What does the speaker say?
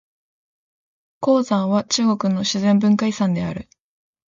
黄山は中国の自然文化遺産である。